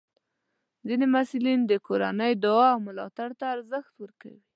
ځینې محصلین د کورنۍ دعا او ملاتړ ته ارزښت ورکوي.